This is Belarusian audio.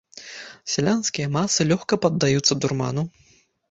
Сялянскія масы лёгка паддаюцца дурману.